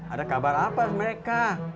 ada kabar apa mereka